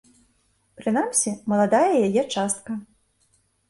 Прынамсі, маладая яе частка.